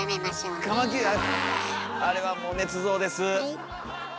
あれはあれはもうねつ造です。